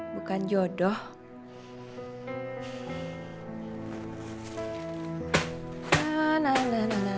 dua bulan kecil